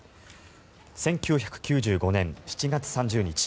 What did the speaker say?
１９９５年７月３０日。